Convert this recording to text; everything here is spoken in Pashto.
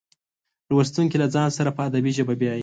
لوستونکي له ځان سره په ادبي ژبه بیایي.